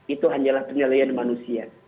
itu hanyalah penilaian manusia